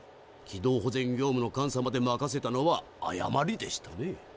軌道保全業務の監査まで任せたのは誤りでしたね。